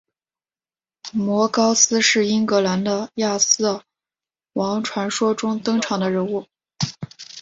摩高斯是英格兰的亚瑟王传说中登场的人物。